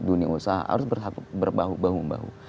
dunia usaha harus berbahubahubahu